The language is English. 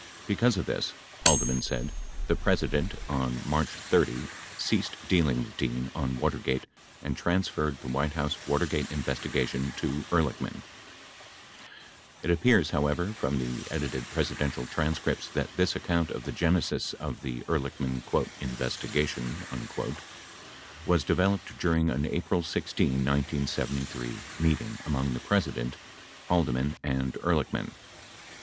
Because of this, Haldeman said, the President, on March 30, ceased dealing with Dean on Watergate and transferred the White House Watergate investigation to Ehrlichman. 73 It appears, however, from the edited Presidential transcripts that this account of the genesis of the Ehrlichman "investigation" was developed during an April 16, 1973, meeting among the President, Haldeman and Ehrlichman.